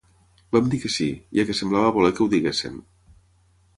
Vam dir que sí, ja que semblava voler que ho diguéssim.